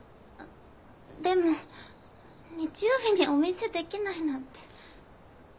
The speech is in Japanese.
でも日曜日にお店できないなんて。